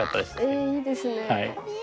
ええいいですね。